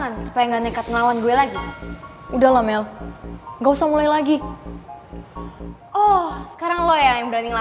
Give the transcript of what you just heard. aku gak bisa dibiarin